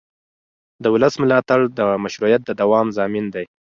د ولس ملاتړ د مشروعیت د دوام ضامن دی